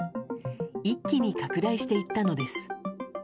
一気に拡大していったのです。